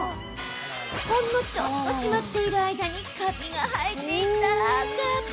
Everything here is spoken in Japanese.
ほんのちょっとしまっている間にカビが生えていた。